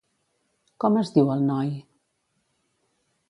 Com es diu, el noi?